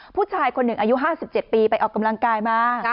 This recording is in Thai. ผู้ชายคนหนึ่งอายุ๕๗ปีไปออกกำลังกายมา